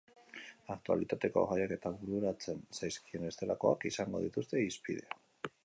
Aktualitateko gaiak eta bururatzen zaizkien bestelakoak izango dituzte hizpide.